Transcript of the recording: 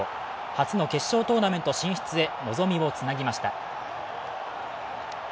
初の決勝トーナメント進出へ望みをつなぎました。